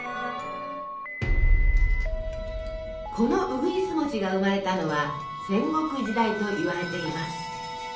このうぐいす餅が生まれたのは戦国時代といわれています。